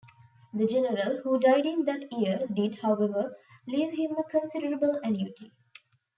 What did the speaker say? The general, who died in that year, did, however, leave him a considerable annuity.